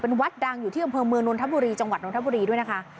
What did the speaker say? วัดดังอยู่ที่อำเภอเมืองนนทบุรีจังหวัดนทบุรีด้วยนะคะ